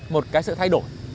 một cái sự thay đổi